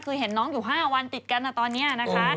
คือเห็นน้องอยู่๕วันติดกันนะตอนนี้นะคะ